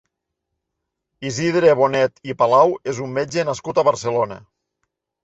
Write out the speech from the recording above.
Isidre Bonet i Palau és un metge nascut a Barcelona.